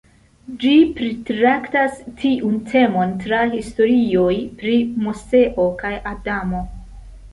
Ĝi pritraktas tiun temon tra historioj pri Moseo kaj Adamo.